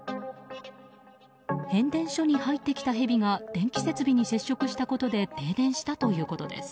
変電所に入ってきたヘビが電気設備に接触したことで停電したということです。